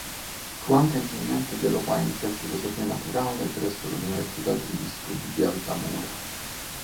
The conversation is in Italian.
Fu anche insegnante di eloquenza e filosofia naturale presso l'Università degli Studi di Altamura.